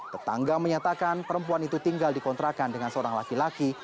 tetangga menyatakan perempuan itu tinggal di kontrakan dengan seorang laki laki